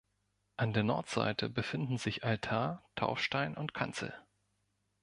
An der Nordseite befinden sich Altar, Taufstein und Kanzel.